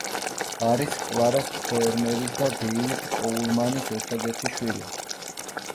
არის კლარა სთოერმერის და დევიდ კოულმანის ერთადერთი შვილი.